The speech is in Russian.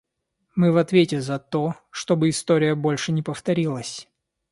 Мы в ответе за то, чтобы история больше не повторилась.